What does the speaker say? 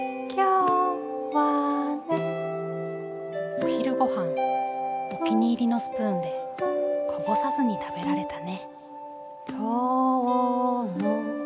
お昼ごはんお気に入りのスプーンでこぼさずに食べられたね。